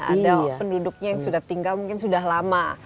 ada penduduknya yang sudah tinggal mungkin sudah lama